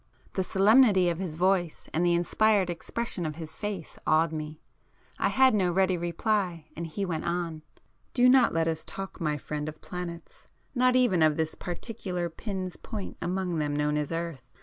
The solemnity of his voice and the inspired expression of his face awed me. I had no reply ready, and he went on— "Do not let us talk, my friend, of planets, not even of this particular pin's point among them known as Earth.